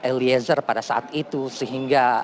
eliezer pada saat itu sehingga